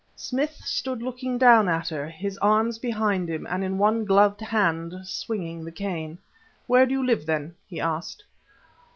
Smith stood looking down at her, his arms behind him, and in one gloved hand swinging the cane. "Where do you live, then?" he asked.